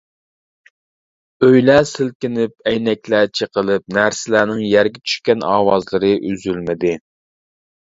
ئۆيلەر سىلكىنىپ، ئەينەكلەر چېقىلىپ، نەرسىلەرنىڭ يەرگە چۈشكەن ئاۋازلىرى ئۈزۈلمىدى.